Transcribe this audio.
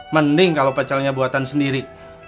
mending kalau pecelnya buatan sendiri